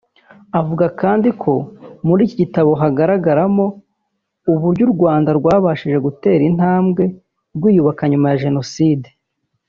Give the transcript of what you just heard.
Avuga kandi ko muri iki gitabo hagaragaramo uburyo u Rwanda rwabashije gutera intambwe rwiyubaka nyuma ya Jenoside